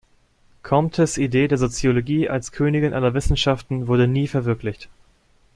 Comtes Idee der Soziologie als Königin aller Wissenschaften wurde nie verwirklicht.